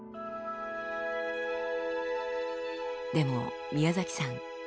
でも宮崎さん